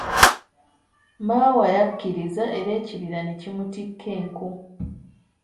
Maawa yakkiriza era ekibira ne kimutikka enku.